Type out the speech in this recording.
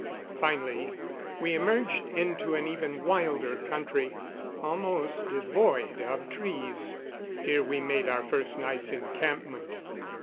Finally we emerged into an even wilder country, almost devoid of trees. Here we made our first night's encampment.